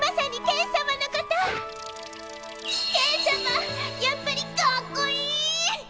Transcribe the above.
ケンさまやっぱりかっこいい！